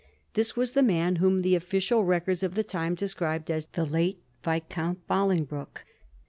This was the man whom the official records of the time described as ^ the late Viscount Boling broke.'